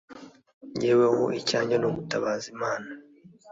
jyeweho, icyanjye ni ugutabaza imana